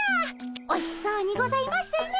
おいしそうにございますね。